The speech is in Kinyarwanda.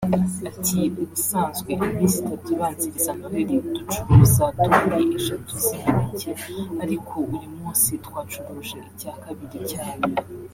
Ati “Ubusanzwe iminsi itatu ibanziriza Noheli ducuruza toni eshatu z’imineke ariko uyu munsi twacuruze icyakabiri cyayo